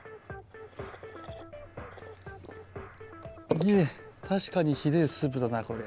ひえ確かにひでえスープだなこりゃ。